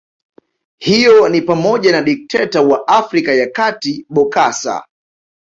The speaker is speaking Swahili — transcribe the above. Hiyo nipamoja na dikteta wa Afrika ya Kati Bokassa